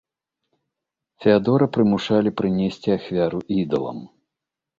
Феадора прымушалі прынесці ахвяру ідалам.